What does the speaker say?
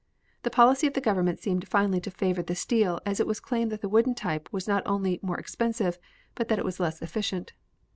The policy of the government seemed finally to favor the steel as it was claimed that the wooden type was not only more expensive, but that it was less efficient.